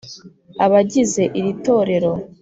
abagize iri torero.